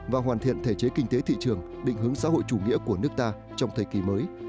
và hoàn thiện thể chế kinh tế thị trường định hướng xã hội chủ nghĩa của nước ta trong thời kỳ mới